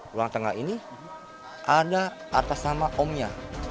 ruang tengah ini ada atas nama omnya